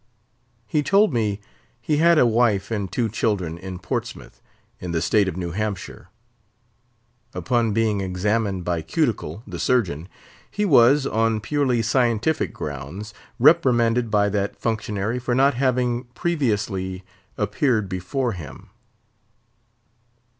He told me he had a wife and two children in Portsmouth, in the state of New Hampshire. Upon being examined by Cuticle, the surgeon, he was, on purely scientific grounds, reprimanded by that functionary for not having previously appeared before him.